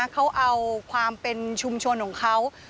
เขาเอาความเป็นชุมชนของเขา